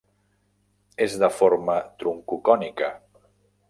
És de forma troncocònica.